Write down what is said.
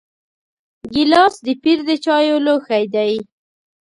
ګیلاس د پیر د چایو لوښی دی.